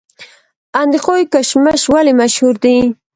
اندخوی کشمش ولې مشهور دي؟